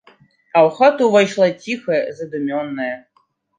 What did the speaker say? А ў хату ўвайшла ціхая, задумёная.